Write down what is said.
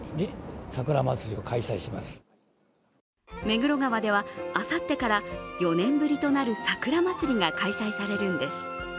目黒川ではあさってから４年ぶりとなる桜まつりが開催されるんです。